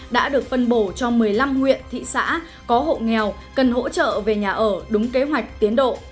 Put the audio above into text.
đã được phân bổ cho một mươi năm huyện thị xã có hộ nghèo cần hỗ trợ về nhà ở đúng kế hoạch tiến độ